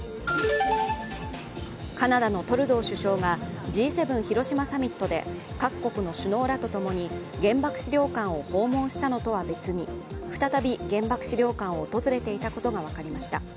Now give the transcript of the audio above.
カナダのトルドー首相がＧ７広島サミットで各国の首脳らとともに原爆資料館を訪問したのとは別に再び原爆資料館を訪れていたことが分かりました。